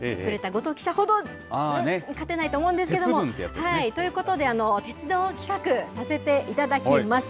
ごとう記者ほど勝てないと思うんですけど、ということで、鉄道企画、させていただきます。